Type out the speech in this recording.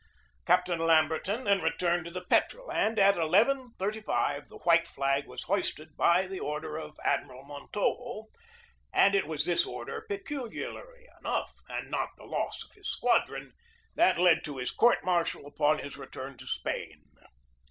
Captain Lamberton then returned to the Petrel, and at 11.35 tne white flag was hoisted by the order of Admiral Montojo; and it was this order, peculiarly enough, and not the loss of his squadron, that led to his court martial upon his return to Spain.